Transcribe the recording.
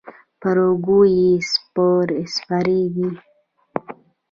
پر اوږو یې سپرېږي.